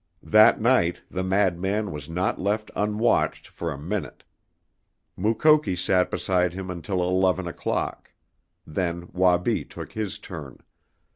That night the madman was not left unwatched for a minute. Mukoki sat beside him until eleven o'clock. Then Wabi took his turn.